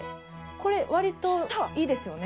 これ割といいですよね。